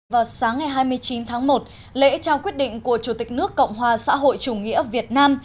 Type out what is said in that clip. vào sáng ngày hai mươi chín tháng một lễ trao quyết định của chủ tịch nước cộng hòa xã hội chủ nghĩa việt nam